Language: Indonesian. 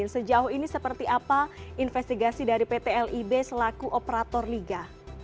sejauh ini seperti apa investigasi dari pt lib selaku operator liga